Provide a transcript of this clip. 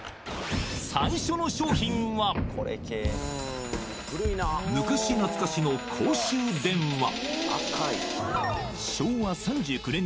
最初の商品は昔懐かしの公衆電話